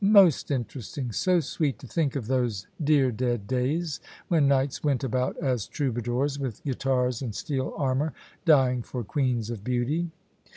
"Most interesting. So sweet to think of those dear dead days, when knights went about as troubadours with guitars in steel armour, dying for queens of beauty."